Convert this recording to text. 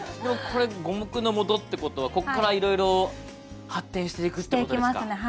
これ五目のもとってことはこっからいろいろ発展していくということですか？